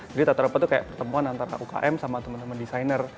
jadi tata rupa itu kayak pertemuan antara ukm sama teman teman desainer